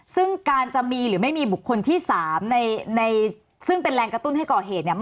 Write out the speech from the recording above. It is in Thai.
ซึ่งการจะมีหรือไม่มีบุคคลที่๓ในซึ่งเป็นแรงกระตุ้นให้ก่อเหตุเนี่ย